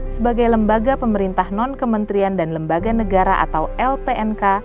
sebagai lembaga pemerintah non kementerian dan lembaga negara atau lpnk